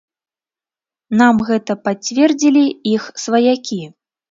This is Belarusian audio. Нам гэта пацвердзілі іх сваякі.